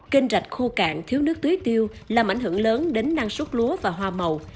kênh rạch khô cạn thiếu nước tưới tiêu làm ảnh hưởng lớn đến năng suất lúa và hoa màu